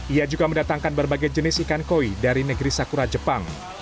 ia juga mendatangkan berbagai jenis ikan koi dari negeri sakura jepang